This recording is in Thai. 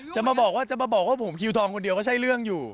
จะมาบอกว่าจะมาบอกว่าผมคิวทองคนเดียวก็ใช่เรื่องอยู่